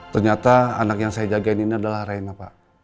ternyata anak yang saya jagain ini adalah raina pak